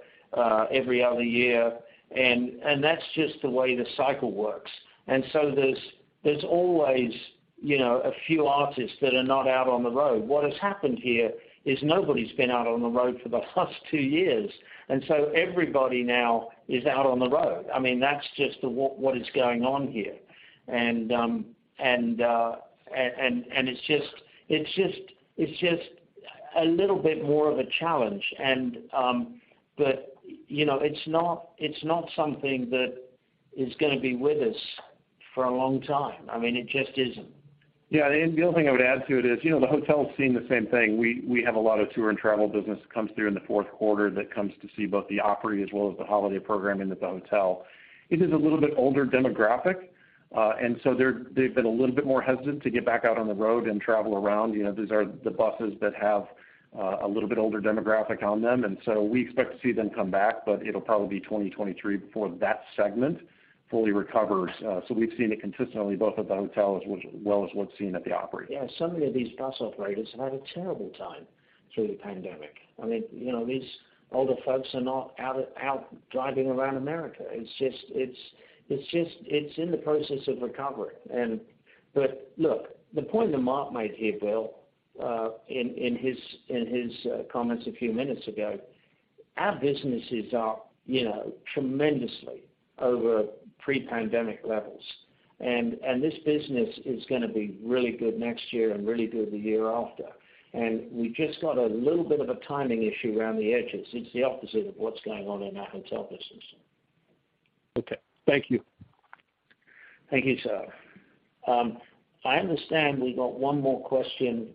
every other year. That's just the way the cycle works. There's always, you know, a few artists that are not out on the road. What has happened here is nobody's been out on the road for the last two years. Everybody now is out on the road. I mean, that's just what is going on here. It's just a little bit more of a challenge. You know, it's not something that is gonna be with us for a long time. I mean, it just isn't. Yeah. The only thing I would add to it is, you know, the hotel's seeing the same thing. We have a lot of tour and travel business that comes through in the fourth quarter that comes to see both the Opry as well as the holiday programming at the hotel. It is a little bit older demographic, and so they've been a little bit more hesitant to get back out on the road and travel around. You know, these are the buses that have a little bit older demographic on them. We expect to see them come back, but it'll probably be 2023 before that segment fully recovers. We've seen it consistently both at the hotel as well as what's seen at the Opry. Yeah, many of these bus operators have had a terrible time through the pandemic. I mean, you know, these older folks are not out driving around America. It's in the process of recovery. Look, the point that Mark made here, Bill, in his comments a few minutes ago, our businesses are, you know, tremendously over pre-pandemic levels. This business is gonna be really good next year and really good the year after. We've just got a little bit of a timing issue around the edges. It's the opposite of what's going on in our hotel business. Okay. Thank you. Thank you, sir. I understand we've got one more question.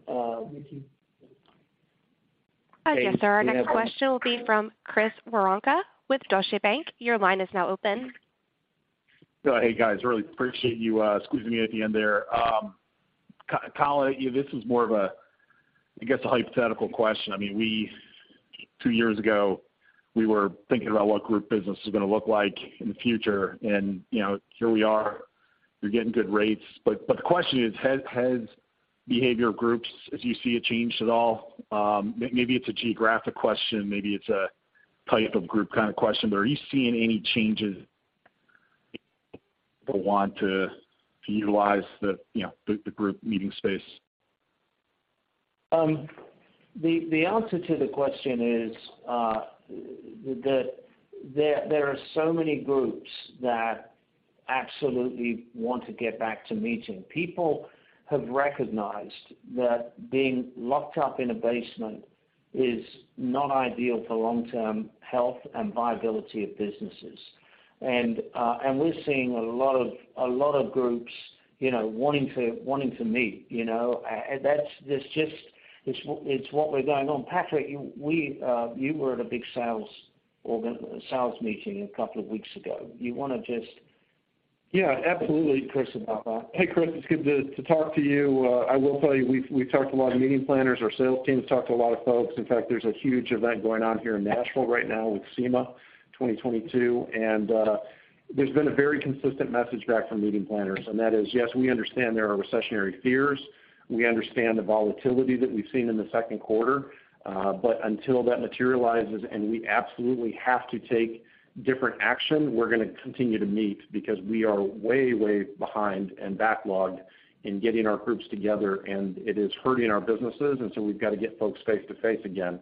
Katie. Yes, sir. Our next question will be from Chris Woronka with Deutsche Bank. Your line is now open. Hey, guys. Really appreciate you squeezing me at the end there. Colin, this is more of a hypothetical question, I guess. I mean, two years ago, we were thinking about what group business is gonna look like in the future and, you know, here we are. You're getting good rates. The question is, has the behavior of groups, as you see it, changed at all? Maybe it's a geographic question, maybe it's a type of group kind of question, but are you seeing any changes in how groups want to utilize, you know, the group meeting space? The answer to the question is that there are so many groups that absolutely want to get back to meeting. People have recognized that being locked up in a basement is not ideal for long-term health and viability of businesses. We're seeing a lot of groups, you know, wanting to meet, you know. That's. There's just. It's what we're going on. Patrick, you were at a big sales meeting a couple of weeks ago. You wanna just- Yeah, absolutely, Chris. Hey, Chris, it's good to talk to you. I will tell you, we've talked to a lot of meeting planners. Our sales team has talked to a lot of folks. In fact, there's a huge event going on here in Nashville right now with SEMA 2022. There's been a very consistent message back from meeting planners, and that is, yes, we understand there are recessionary fears. We understand the volatility that we've seen in the second quarter, but until that materializes and we absolutely have to take different action, we're gonna continue to meet because we are way behind and backlogged in getting our groups together, and it is hurting our businesses, and so we've got to get folks face to face again.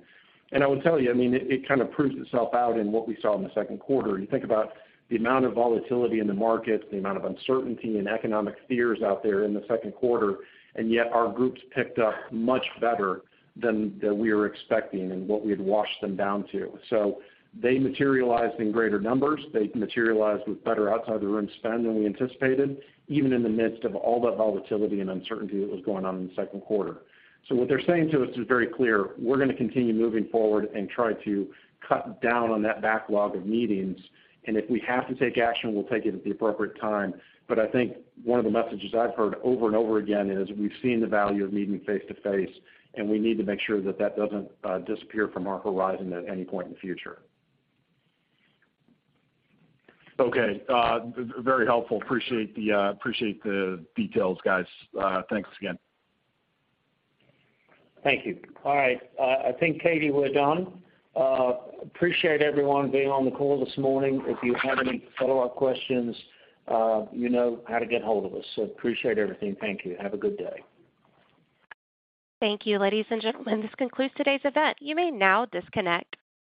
I will tell you, I mean, it kind of proves itself out in what we saw in the second quarter. You think about the amount of volatility in the markets, the amount of uncertainty and economic fears out there in the second quarter, and yet our groups picked up much better than we were expecting and what we had washed them down to. So they materialized in greater numbers. They materialized with better outside the room spend than we anticipated, even in the midst of all the volatility and uncertainty that was going on in the second quarter. So what they're saying to us is very clear. We're gonna continue moving forward and try to cut down on that backlog of meetings, and if we have to take action, we'll take it at the appropriate time. I think one of the messages I've heard over and over again is we've seen the value of meeting face to face, and we need to make sure that that doesn't disappear from our horizon at any point in the future. Okay. Very helpful. Appreciate the details, guys. Thanks again. Thank you. All right. I think, Katie, we're done. Appreciate everyone being on the call this morning. If you have any follow-up questions, you know how to get hold of us. Appreciate everything. Thank you. Have a good day. Thank you, ladies and gentlemen. This concludes today's event. You may now disconnect.